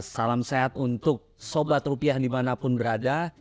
salam sehat untuk sobat rupiah dimanapun berada